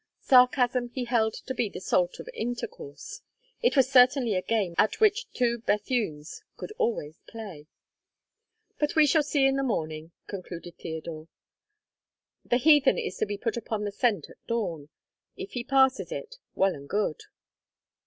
Sarcasm he held to be the salt of intercourse. It was certainly a game at which two Bethunes could always play. "But we shall see in the morning," concluded Theodore. "The heathen is to be put upon the scent at dawn; if he passes it, well and good."